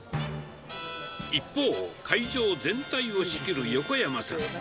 一方、会場全体を仕切る横山さん。